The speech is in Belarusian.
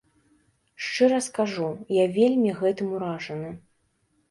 Шчыра скажу, я вельмі гэтым уражаны.